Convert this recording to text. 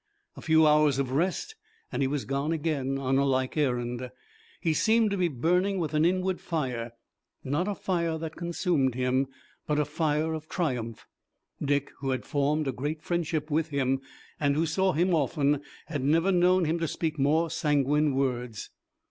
A few hours of rest and he was gone again on a like errand. He seemed to be burning with an inward fire, not a fire that consumed him, but a fire of triumph. Dick, who had formed a great friendship with him and who saw him often, had never known him to speak more sanguine words.